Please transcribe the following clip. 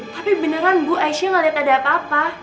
tapi beneran bu aisyah ngeliat ada apa apa